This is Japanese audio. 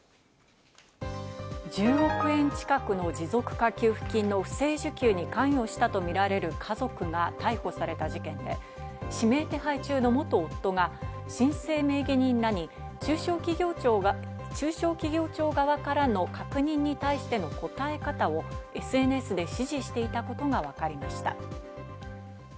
１０億円近くの持続化給付金の不正受給に関与したとみられる家族が逮捕された事件で、指名手配中の元夫が申請名義人らに中小企業庁側からの確認に対しての答え方をＳＮＳで指示していたことがわかりました。